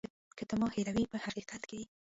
که ته ما هېروې په حقیقت کې.